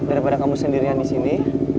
daripada kamu sendirian di sini